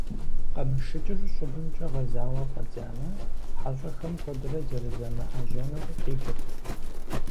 Къамышыкӏыр щӏыбымкӏэ гъэзауэ фӀэдзамэ, хьэщӀэхэм куэдрэ зэрызамыӏэжьэнур къикӏырт.